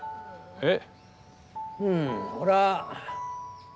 えっ？